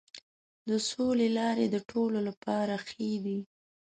د سولې لارې د ټولو لپاره ښې دي.